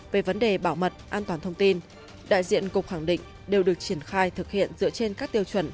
về vấn đề bảo mật an toàn thông tin đại diện cục khẳng định đều được triển khai thực hiện dựa trên các tiêu chuẩn